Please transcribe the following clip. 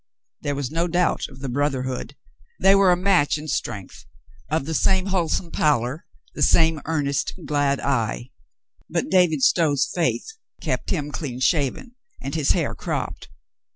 There was no doubt of the brotherhood. They were a match in strength, of the same whole some pallor, the same earnest, glad eye. But David Stow's faith kept him clean shaven and his hair cropped.